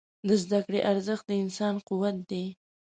د زده کړې ارزښت د انسان قوت دی.